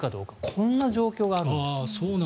こんな状況があります。